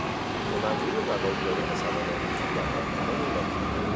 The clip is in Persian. به منظور رواج دادن سواد آموزی در امریکای لاتین